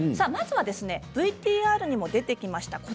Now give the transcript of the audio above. まずはＶＴＲにも出てきました